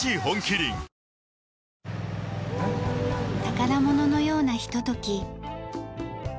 宝物のようなひととき。